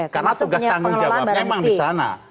karena tugas tanggung jawabnya memang di sana